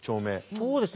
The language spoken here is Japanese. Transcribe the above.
そうですね